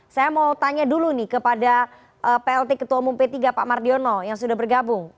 saya mau tanya dulu nih kepada plt ketua umum p tiga pak mardiono yang sudah bergabung